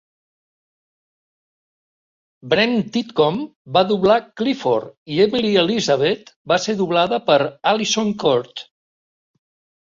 Brent Titcomb va doblar Clifford i Emily Elizabeth va ser doblada per Alyson Court.